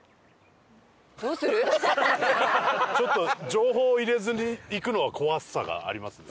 情報入れずに行くのは怖さがありますね。